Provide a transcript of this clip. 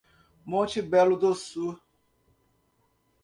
Monte Belo do Sul